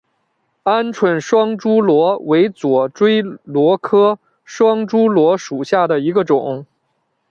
鹌鹑双珠螺为左锥螺科双珠螺属下的一个种。